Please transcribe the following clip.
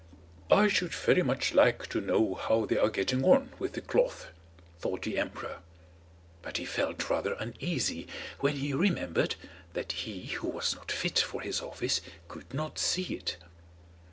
"I should very much like to know how they are getting on with the cloth," thought the emperor. But he felt rather uneasy when he remembered that he who was not fit for his office could not see it.